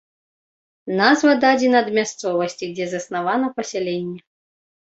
Назва дадзена ад мясцовасці, дзе заснавана пасяленне.